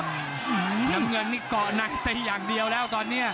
น้ำเงินนี่เกาะในตีอย่างเดียวแล้วตอนนี้